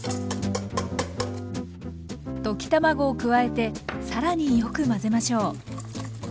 溶き卵を加えて更によく混ぜましょう。